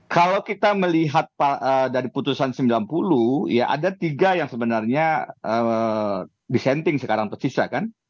kalau kita melihat dari putusan sembilan puluh ya ada tiga yang sebenarnya dissenting sekarang tersisa kan